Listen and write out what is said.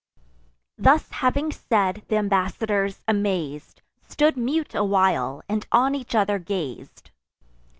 Thus having said—th' embassadors, amaz'd, Stood mute a while, and on each other gaz'd.